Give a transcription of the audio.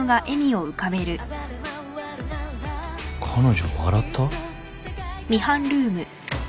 彼女笑った？